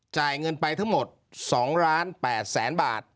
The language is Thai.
จ่ายเงินไปทั้งหมด๒๘๐๐๐บาท